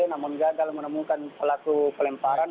namun gagal menemukan pelaku pelemparan